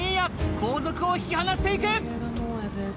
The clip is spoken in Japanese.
後続を引き離していく。